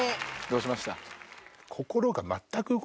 どうしました？